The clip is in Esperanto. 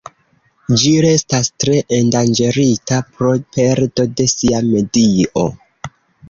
Ĝi restas tre endanĝerita pro perdo de sia medio.